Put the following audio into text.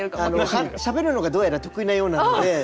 しゃべるのがどうやら得意なようなので。